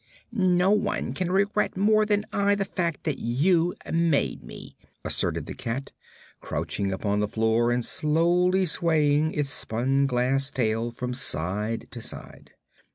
"No one can regret more than I the fact that you made me," asserted the cat, crouching upon the floor and slowly swaying its spun glass tail from side to side.